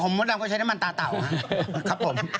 ของมดดำก็ใช้น้ำมันตาเต่า